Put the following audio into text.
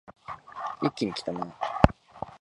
一気にきたな